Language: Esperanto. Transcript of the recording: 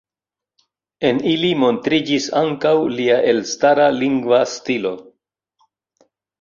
En ili montriĝis ankaŭ lia elstara lingva stilo.